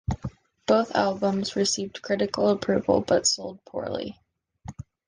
Both albums received critical approval but sold poorly.